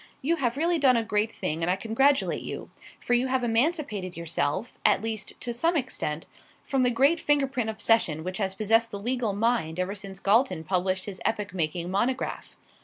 You have really done a great thing, and I congratulate you; for you have emancipated yourself, at least to some extent, from the great finger print obsession, which has possessed the legal mind ever since Galton published his epoch making monograph.